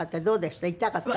どうでした？